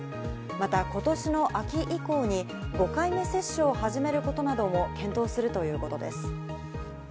また今年の秋以降に５回目接種を始めることなども検討するということです。